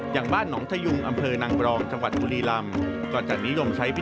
อย่างบ้านหนองทะยุงอำเภอนังปรองจังหวัดบุรีลำ